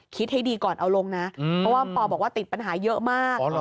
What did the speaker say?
คิดให้ดีก่อนเอาลงนะเพราะว่าปอบอกว่าติดปัญหาเยอะมาก